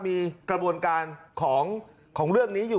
มีกระบวนการของเรื่องนี้อยู่